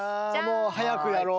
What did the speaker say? もう早くやろう。